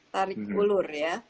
tarik ulur ya